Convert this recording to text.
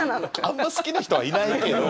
あんま好きな人はいないけど。